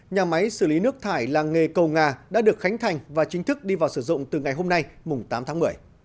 nhà máy xử lý nước thải làng nghề cầu nga đã được khánh thành và chính thức đi vào sử dụng từ ngày hôm nay tám tháng một mươi